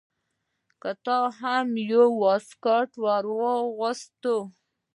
ده ته هم یو واسکټ ور اغوستی و.